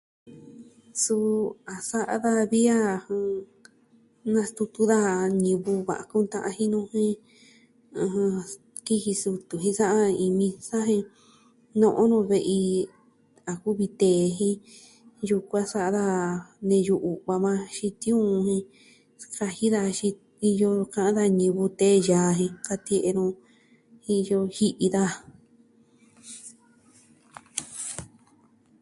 Suu a sa'a daja vi a nastutu da ñivɨ va kunta'an jinu jen kiji sutu jen sa'a iin misa jen no'o nuu ve'i a kuvi tee ji'i, yukuan sa'a daja neyu u'va maa xin tiuun jen kaji daja xi... iyo ka'an da ñivɨ tee yaa jen katie'e nu. Iyo ji'i daja.